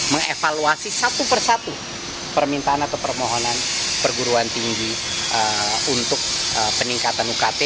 mengevaluasi satu persatu permintaan atau permohonan perguruan tinggi untuk peningkatan ukt